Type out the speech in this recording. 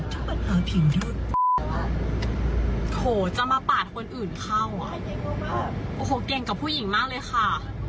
โหจะมาป่าดคนอื่นเข้า